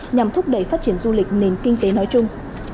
nhằm thúc đẩy phát triển du lịch nền kinh tế nói chung